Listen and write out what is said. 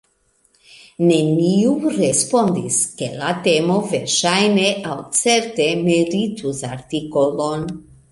Neniu respondis, ke la temo verŝajne aŭ certe meritus artikolon.